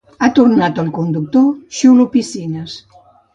Ha tornat el conductor xulo piscines